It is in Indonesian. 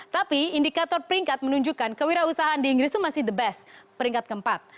tapi indikator peringkat menunjukkan kewirausahaan di inggris itu masih the best peringkat keempat